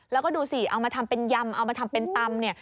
แล้วก็ดูสิเอามาทำเป็นยำเอามาทำเป็นตำเนี่ย